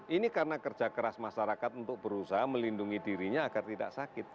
kita harus bekerja keras masyarakat untuk berusaha melindungi dirinya agar tidak sakit